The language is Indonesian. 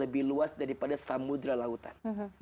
lebih luas daripada samudera lautan